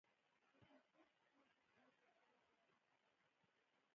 په فېسبوک کې خلک د خپلو کورنیو سره اړیکه ساتي